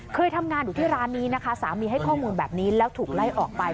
เคยทำงานอยู่ที่ร้านนี้นะคะสามีให้ข้อมูลแบบนี้แล้วถูกไล่ออกไป